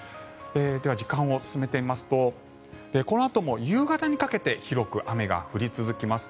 では、時間を進めてみますとこのあとも夕方にかけて広く雨が降り続きます。